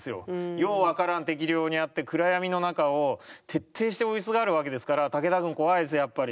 よう分からん敵領にあって暗闇の中を徹底して追いすがるわけですから武田軍怖いですよやっぱり。